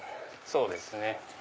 そうですね。